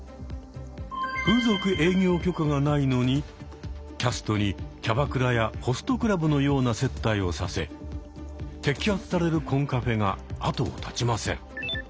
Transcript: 風俗営業許可がないのにキャストにキャバクラやホストクラブのような接待をさせ摘発されるコンカフェが後を絶ちません。